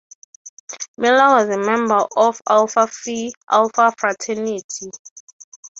Miller was a member of Alpha Phi Alpha fraternity.